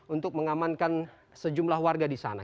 untuk mengamankan sejumlah warga di sana